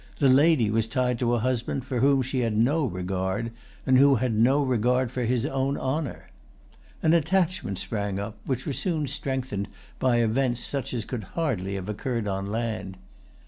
The lady was tied to a husband for whom she had no regard, and who had no regard for his own honor. An attachment sprang up, which was soon strengthened by events such as could hardly have occurred on land.